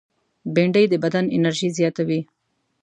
بېنډۍ د بدن انرژي زیاتوي